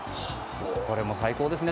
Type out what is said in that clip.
これも最高ですね。